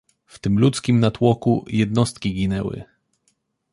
"W tym ludzkim natłoku jednostki ginęły."